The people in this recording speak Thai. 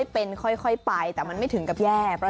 อย่างแรกเลยก็คือการทำบุญเกี่ยวกับเรื่องของพวกการเงินโชคลาภ